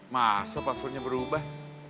masa passwordnya berubah